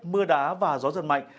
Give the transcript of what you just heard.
mưa đá và gió giật mạnh